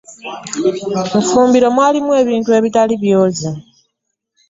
Mu ffumbiro mwalimu ebintu ebitali byoze.